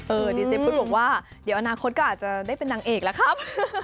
ดีเซฟุตบอกว่าเดี๋ยวอนาคตก็อาจจะได้เป็นนางเอกแล้วครับ